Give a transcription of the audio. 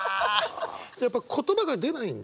やっぱ言葉が出ないんだ？